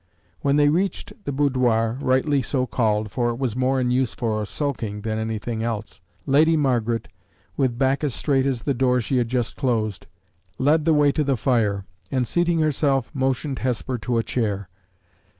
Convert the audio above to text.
When they reached the boudoir, rightly so called, for it was more in use for sulking than for anything else, Lady Margaret, with back as straight as the door she had just closed, led the way to the fire, and, seating herself, motioned Hesper to a chair.